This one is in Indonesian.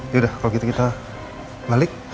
yaudah kalo gitu kita balik